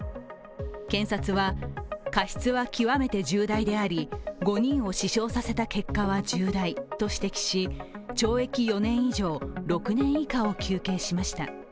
検察は、過失は極めて重大であり５人を死傷させた結果は重大と指摘し懲役４年以上６年以下を求刑しました。